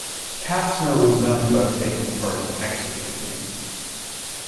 Kapsner was known to have taken part in exorcisms.